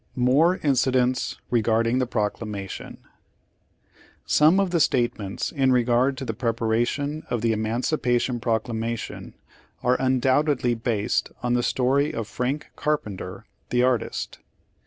MOEE INCIDENTS KEGAEDING THE PEOGLAMATION Some of the statements in regard to the prep aration of the Emancipation Proclamation are un doubtedly based on the story of Frank Carpenter, the artist.